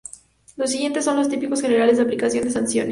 Los siguientes son los tipos generales de aplicación de sanciones.